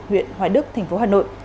huyện hòa đức tp hà nội